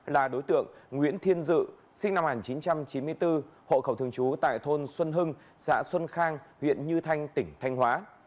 là đối tượng nguyễn thiên dự sinh năm một nghìn chín trăm chín mươi bốn hộ khẩu thường trú tại thôn xuân hưng xã xuân khang huyện như thanh tỉnh thanh hóa